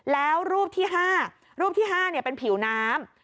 แล้วรูปที่๕เป็นผิวน้ำ